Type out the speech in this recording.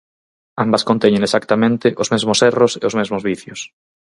Ambas conteñen exactamente os mesmos erros e os mesmos vicios.